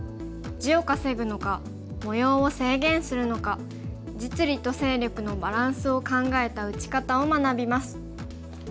地を稼ぐのか模様を制限するのか実利と勢力のバランスを考えた打ち方を学びます。